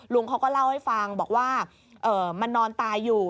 ลุงเขาก็เล่าให้ฟังบอกว่ามันนอนตายอยู่